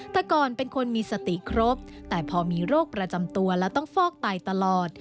แต่ก่อนเป็นคนมีสติครบแต่พอมีโรคประจำตัวและต้องฟอกไตตลอด